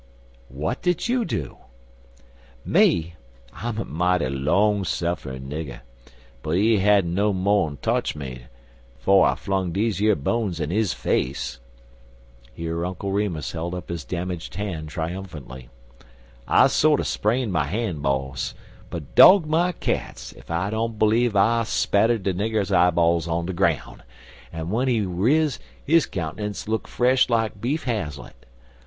"What did you do?" "Me? I'm a mighty long sufferin' nigger, but he hadn't no mo'n totch me 'fo' I flung dese yer bones in his face." Here Uncle Remus held up his damaged hand triumphantly. "I sorter sprained my han', boss, but dog my cats if I don't bleeve I spattered de nigger's eyeballs on de groun', and w'en he riz his count'nence look fresh like beef haslett.